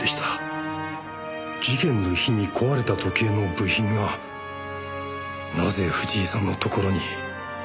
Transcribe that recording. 事件の日に壊れた時計の部品がなぜ藤井さんのところに。